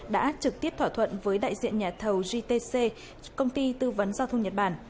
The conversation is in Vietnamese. đã trực tiếp thỏa thuận với đại diện nhà thầu gtc công ty tư vấn giao thông nhật bản